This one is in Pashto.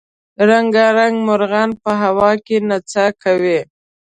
رنګارنګ مرغانو په هوا کې نڅا کوله.